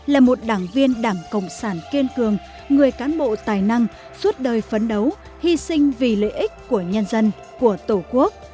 là một đảng viên đảng cộng sản kiên cường người cán bộ tài năng suốt đời phấn đấu hy sinh vì lợi ích của nhân dân của tổ quốc